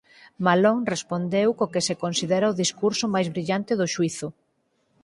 Malone respondeu co que se considera o discurso máis brillante do xuízo.